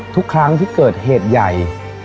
ทุกครั้งที่เกิดเหตุใหญ่